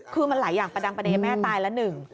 คือมันหลายอย่างประดังประเด็นแม่ตายละหนึ่ง